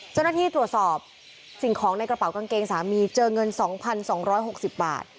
เจ้าหน้าที่ตรวจสอบสิ่งของในกระเป๋ากางเกงสามีเจอเงิน๒๒๖๐บาท